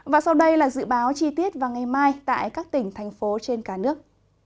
và sau đây là dự báo chi tiết vào ngày mai tại các tỉnh thành phố trên cả nước